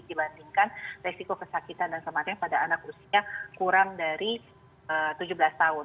dibandingkan resiko kesakitan dan kematian pada anak usia kurang dari tujuh belas tahun